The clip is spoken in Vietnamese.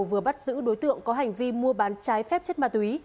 vừa bắt giữ đối tượng có hành vi mua bán trái phép chất ma túy